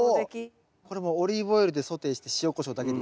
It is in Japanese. これもうオリーブオイルでソテーして塩こしょうだけでいい。